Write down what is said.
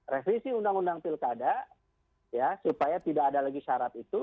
revisi undang undang pilkada ya supaya tidak ada lagi syarat itu